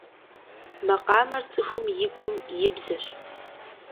Макъамэр цӏыхум и гум и бзэщ.